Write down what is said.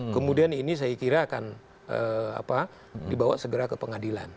kemudian ini saya kira akan dibawa segera ke pengadilan